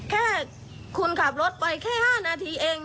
แค่คุณขับรถไปแค่๕นาทีเอง